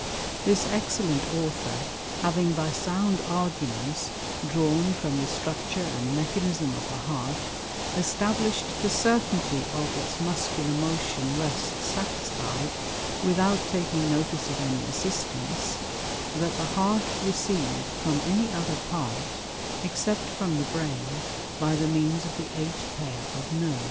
This Excellent Author, having by sound Arguments drawn from the Structure and Mechanism of the Heart, establish'd the Certainty of its Muscular Motion, rests satisfied, without taking notice of any Assistance, that the Heart receives from any other Part, except from the Brain, by the means of the eight pair of Nerves.